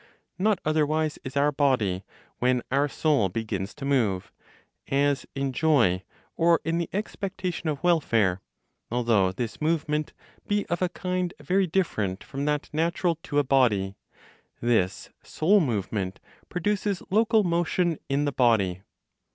Not otherwise is our body; when our soul begins to move, as in joy, or in the expectation of welfare, although this movement be of a kind very different from that natural to a body, this soul movement produces local motion in the body.